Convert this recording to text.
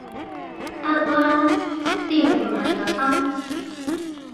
得啦知你唔係特登